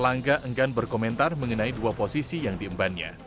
erlangga enggan berkomentar mengenai dua posisi yang diembannya